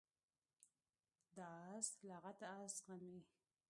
د آس لغته آس زغمي.